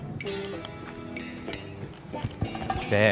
terima kasih bu